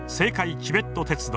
チベット鉄道。